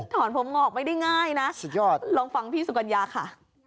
ถอนผมงอกไม่ได้ง่ายนะสุดยอดลองฟังพี่สุกัญญาค่ะ